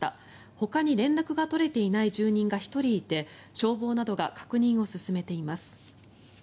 ほかに連絡が取れていない住人が１人いて消防などが確認を進めています。